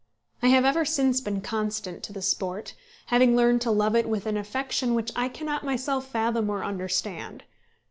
I have ever since been constant to the sport, having learned to love it with an affection which I cannot myself fathom or understand.